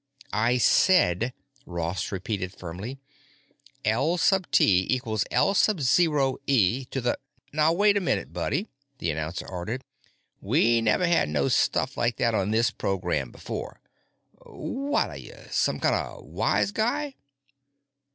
"I said," Ross repeated firmly, "L sub T equals L sub zero e to the——" "Now, wait a minute, buddy," the announcer ordered. "We never had no stuff like that on this program before. Whaddya, some kind of a wise guy?"